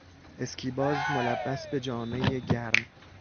اسکیباز ملبس به جامهی گرم